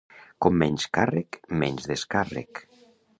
Com menys càrrec menys descàrrec.